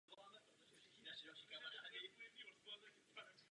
Parlament zde správně zavedl ochranná opatření.